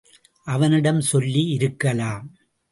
அவனிடம் சொல்லி இருக்கலாம்.